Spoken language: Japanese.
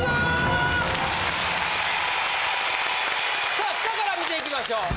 さあ下から見ていきましょう。